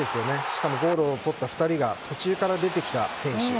しかもゴールをとった２人が途中から出てきた選手。